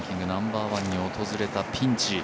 ナンバーワンに訪れたピンチ。